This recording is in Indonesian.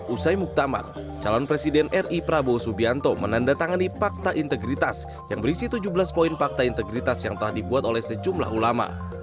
usai muktamar calon presiden ri prabowo subianto menandatangani fakta integritas yang berisi tujuh belas poin fakta integritas yang telah dibuat oleh sejumlah ulama